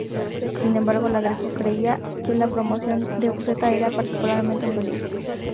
Sin embargo, los Greco creían que la promoción de Buscetta era particularmente un peligro.